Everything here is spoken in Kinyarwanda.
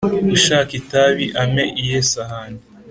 Ushaka itabi ampe iye sahani!"